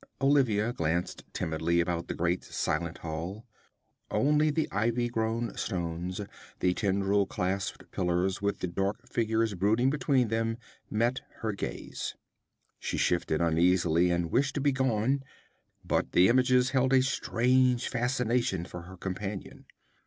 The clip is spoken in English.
Olivia glanced timidly about the great silent hall. Only the ivy grown stones, the tendril clasped pillars, with the dark figures brooding between them, met her gaze. She shifted uneasily and wished to be gone, but the images held a strange fascination for her companion.